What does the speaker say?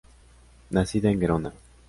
Nacida en Gerona.